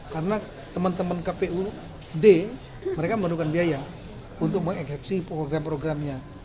karena teman teman kpud mereka memerlukan biaya untuk mengekseksi program programnya